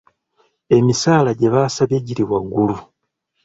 Emisaala gyebaasabye giri waggulu.